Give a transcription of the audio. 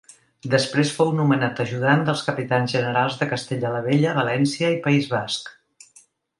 Després fou nomenat ajudant dels Capitans Generals de Castella la Vella, València i País Basc.